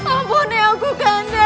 ampun ya aku kandang